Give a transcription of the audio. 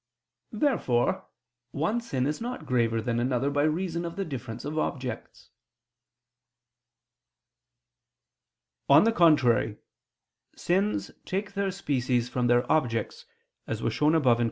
Therefore one sin is not graver than another by reason of the difference of objects. On the contrary, Sins take their species from their objects, as was shown above (Q.